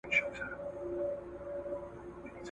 تاریخي پېښې مه تحریف کوئ.